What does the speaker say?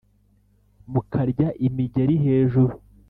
Mukarya imigeli hejuru